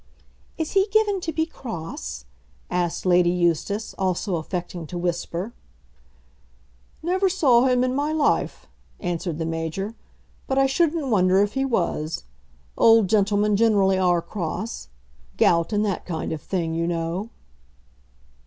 "Is he given to be cross?" asked Lady Eustace, also affecting to whisper. "Never saw him in my life," answered the Major, "but I shouldn't wonder if he was. Old gentlemen generally are cross. Gout, and that kind of thing, you know."